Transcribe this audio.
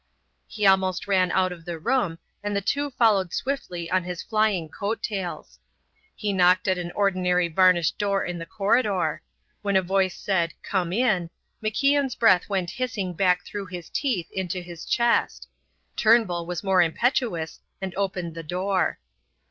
He almost ran out of the room, and the two followed swiftly on his flying coat tails. He knocked at an ordinary varnished door in the corridor. When a voice said, "Come in," MacIan's breath went hissing back through his teeth into his chest. Turnbull was more impetuous, and opened the door.